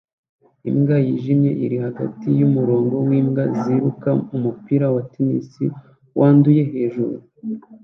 Imbwa yijimye iri hagati yumurongo wimbwa ziruka umupira wa tennis wanduye hejuru